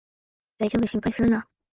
だいじょうぶ、心配するな